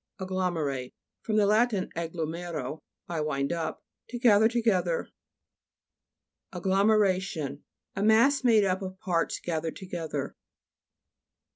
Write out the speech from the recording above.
AGGLO'MERATE fr. lat. agglomero, I wind up. To gather together. AGGLOMEHA'TIOX A mass made up of parts gathered together.